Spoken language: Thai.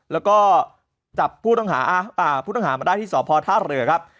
แล้วก็จับผู้ต้องหาผู้ต้องหามาได้ที่สพท่าเรือครับ